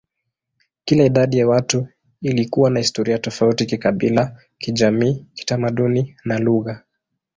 Kila idadi ya watu ilikuwa na historia tofauti kikabila, kijamii, kitamaduni, na lugha.